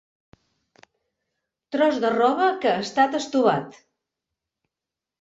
Tros de roba que ha estat estovat.